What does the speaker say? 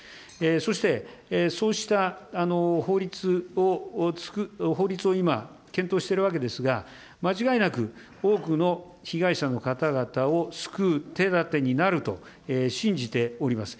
そして、そうした法律を今、検討しているわけですが、間違いなく、多くの被害者の方々を救う手立てになると信じております。